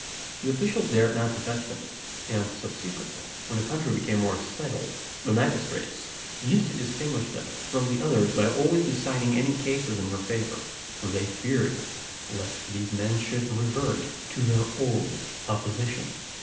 The officials dared not touch them; and subsequently, when the country became more settled, the magistrates used to distinguish them from the others by always deciding any cases in their favour: for they feared lest these men should revert to their old opposition.